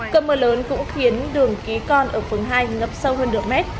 cơ mưa lớn cũng khiến đường ký con ở phường hai ngập sâu hơn được mét